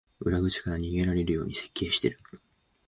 裏口から逃げられるように設計してる